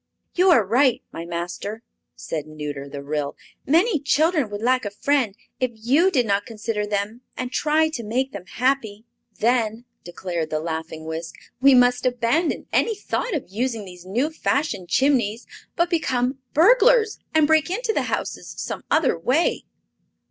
"You are right, my master," said Nuter, the Ryl; "many children would lack a friend if you did not consider them, and try to make them happy." "Then," declared the laughing Wisk, "we must abandon any thought of using these new fashioned chimneys, but become burglars, and break into the houses some other way."